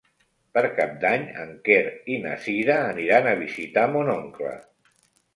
Per Cap d'Any en Quer i na Cira aniran a visitar mon oncle.